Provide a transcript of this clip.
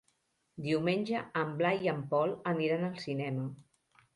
Diumenge en Blai i en Pol aniran al cinema.